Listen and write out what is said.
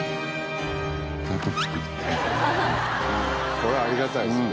これありがたいですね